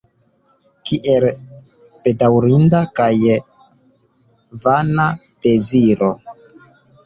Kiel bedaŭrinda kaj vana deziro!